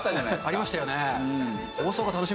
ありましたよね。